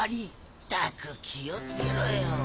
ったく気を付けろよ。